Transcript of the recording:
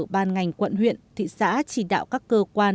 ban ngành quận huyện thị xã chỉ đạo các cơ quan